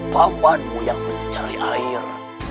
pamanmu yang mencari air